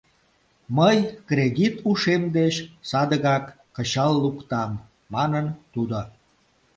— Мый кредит ушем деч садыгак кычал луктам, — манын тудо.